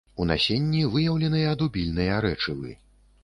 У насенні выяўленыя дубільныя рэчывы.